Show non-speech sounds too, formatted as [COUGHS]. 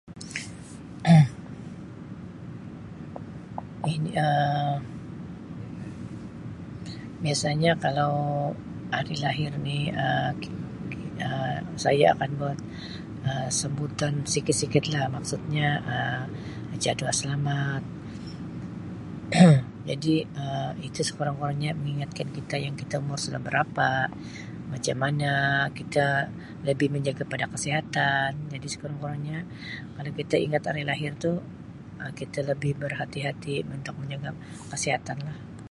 [COUGHS] Ini Um biasanya kalau ari lahir ni Um saya akan buat Um sambutan sikit-sikit lah maksudnya Um baca doa selamat [COUGHS] jadi Um itu sekurang-kurangnya mengigatkan kita yang kita umur sudah berapa macam mana kita lebih menjaga kepada kesihatan jadi sekurang-kurangnya kalau kita ingat hari lahir tu Um kita lebih berhati-hati untuk menjaga kesihatan lah.